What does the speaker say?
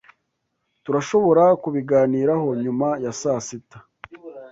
Turashobora kubiganiraho nyuma ya sasita?